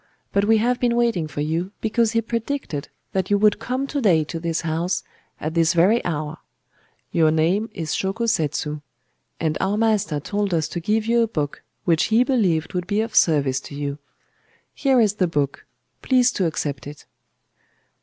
But we have been waiting for you, because he predicted that you would come to day to this house, at this very hour. Your name is Shōko Setsu. And our master told us to give you a book which he believed would be of service to you. Here is the book;—please to accept it.